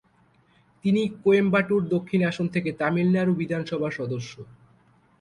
তিনি কোয়েম্বাটুর দক্ষিণ আসন থেকে তামিলনাড়ু বিধানসভার সদস্য।